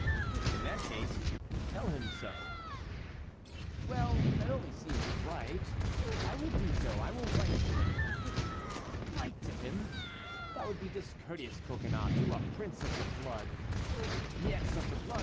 "In that case, tell him so." "Well, that seems only right. I will do so. I will write to him." "Write to him! That would be discourteous, Coconnas, to a prince of the blood." "Yes, of the blood!